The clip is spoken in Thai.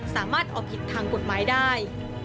สามารถเอาผิดทางกฎหมายได้